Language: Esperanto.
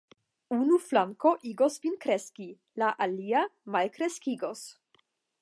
Unu flanko igos vin kreski, la alia malkreskigos.